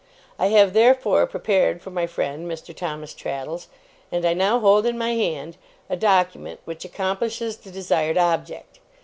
I have, therefore, prepared for my friend Mr. Thomas Traddles, and I now hold in my hand, a document, which accomplishes the desired object.